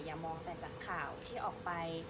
อย่ามองแต่จากข่าวที่ออกไป